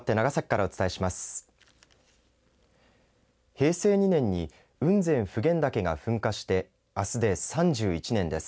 平成２年に雲仙・普賢岳が噴火してあすで、３１年です。